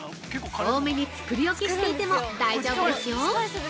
多めに作り置きしていても大丈夫ですよ。